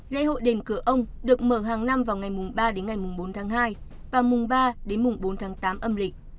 lễ hội đền cửa ông được mở hàng năm vào ngày mùng ba đến ngày mùng bốn tháng hai và mùng ba đến mùng bốn tháng tám âm lịch